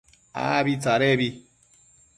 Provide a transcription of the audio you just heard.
Abi tsadebi